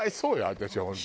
私は本当。